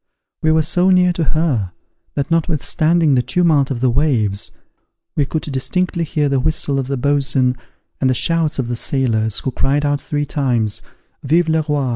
We were so near to her, that notwithstanding the tumult of the waves, we could distinctly hear the whistle of the boatswain, and the shouts of the sailors, who cried out three times, VIVE LE ROI!